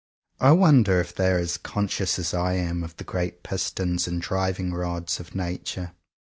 I wonder if they are as conscious as I am of the great pistons and driving rods of Nature.